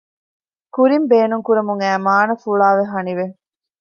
ކުރިން ބޭނުންކުރަމުން އައި މާނަ ފުޅާވެ ހަނިވެ